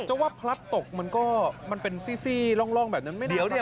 จะว่าพลัดตกมันก็มันเป็นซี่ร่องแบบนั้นไม่ได้